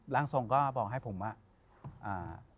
ร่างทรงก็บอกให้ผมอ่ะอ่า